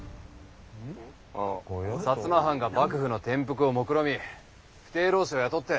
摩藩が幕府の転覆をもくろみふてい浪士を雇って。